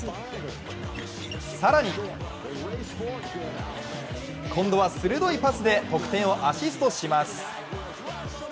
更に、今度は鋭いパスで得点をアシストします。